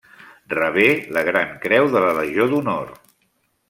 Rebé la Gran creu de la Legió d'Honor.